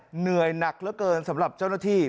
เหนื่อยหนักเหลือเกินสำหรับเจ้าหน้าที่